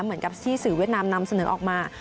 เหมือนกับที่สื่อเวียดนามนำเสนอออกมา